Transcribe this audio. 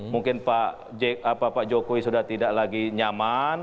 mungkin pak jokowi sudah tidak lagi nyaman